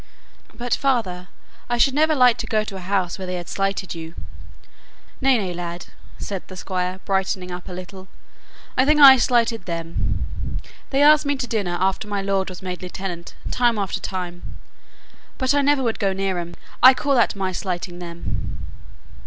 "But, father, I should never like to go to a house where they had slighted you." "Nay, nay, lad," said the Squire, brightening up a little; "I think I slighted them. They asked me to dinner, after my lord was made lieutenant, time after time, but I never would go near 'em. I call that my slighting them."